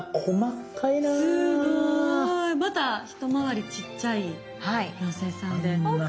また一回りちっちゃい妖精さんで。